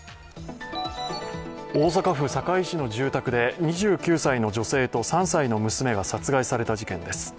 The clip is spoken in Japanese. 大阪府堺市の住宅で２９歳の女性と３歳の娘が殺害された事件です。